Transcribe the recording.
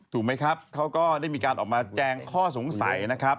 ถูกไหมครับเขาก็ได้มีการออกมาแจงข้อสงสัยนะครับ